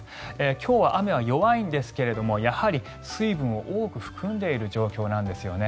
今日は雨は弱いんですがやはり水分を多く含んでいる状況なんですね。